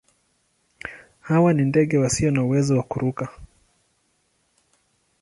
Hawa ni ndege wasio na uwezo wa kuruka.